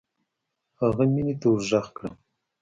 هغه مينې ته ورږغ کړه.